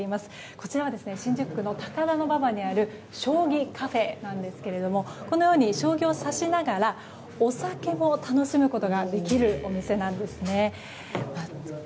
こちらは新宿区の高田馬場にある将棋カフェなんですけれどもこのように将棋を指しながらお酒も楽しむことができるお店なんですね。